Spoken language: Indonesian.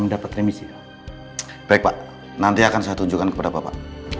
baik pak nanti akan saya tunjukkan kepada bapak